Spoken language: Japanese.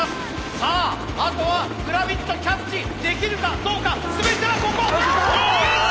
さああとはグラビットキャッチできるかどうか全てはここ！できた！